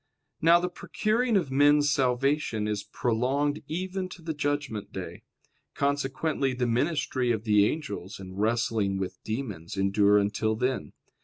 Now the procuring of men's salvation is prolonged even to the judgment day: consequently, the ministry of the angels and wrestling with demons endure until then.